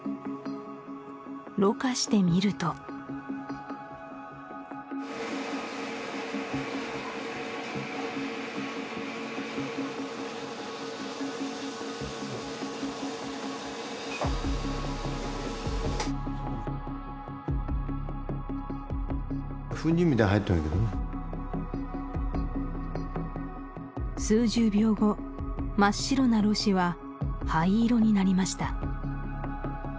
ろ過してみると数十秒後真っ白なろ紙は灰色になりました